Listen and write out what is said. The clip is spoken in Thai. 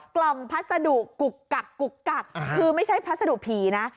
กล่องพัสดุกุกกักกุกกักคือไม่ใช่พัสดุผีนะ